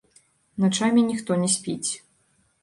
Начамі ніхто не спіць.